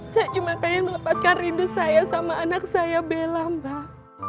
saya cuma pengen melepaskan rindu saya sama anak saya bella mbak